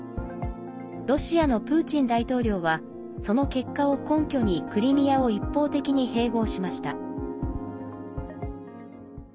ロシアのプーチン大統領はその結果を根拠にクリミアを一方的に併合しました。